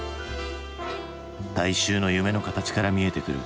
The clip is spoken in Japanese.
大衆の夢の形から見えてくる